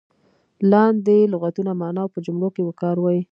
لاندې لغتونه معنا او په جملو کې وکاروئ.